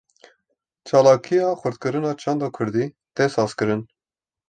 Çalakiya xurtkirina çanda Kurdî, tê sazkirin